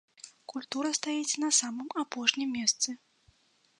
Культура стаіць на самым апошнім месцы!